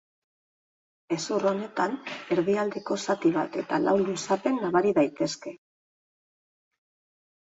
Hezur honetan, erdialdeko zati bat eta lau luzapen nabari daitezke.